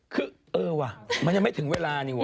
คือเออว่ะมันยังไม่ถึงเวลานี่ว่